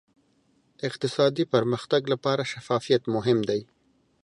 اقتصادي پرمختګ لپاره شفافیت مهم دی.